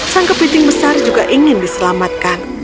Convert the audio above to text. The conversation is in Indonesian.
sang kepiting besar juga ingin diselamatkan